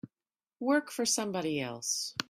Work for somebody else.